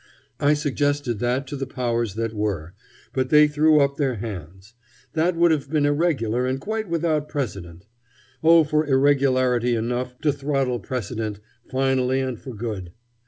I suggested that to the powers that were, but they threw up their hands: that would have been irregular and quite without precedent. Oh, for irregularity enough to throttle precedent finally and for good!